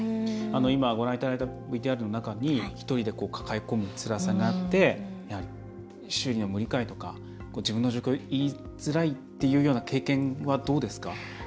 今、ご覧いただいたＶＴＲの中に１人で抱え込むつらさがあってやはり周囲の無理解とか自分の状況を言いづらいっていうような経験はどうですか？